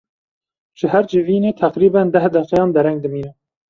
Ji her civînê teqrîben deh deqeyan dereng dimîne.